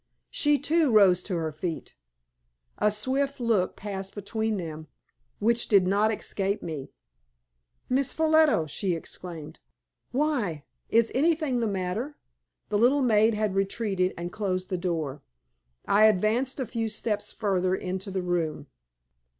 She too rose to her feet. A swift look passed between them, which did not escape me. "Miss Ffolliot!" she exclaimed. "Why, is anything the matter?" The little maid had retreated, and closed the door. I advanced a few steps further into the room.